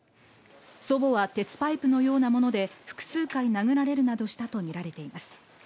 祖母は鉄パイプのようなもので複数回殴られるなどしたと見られています。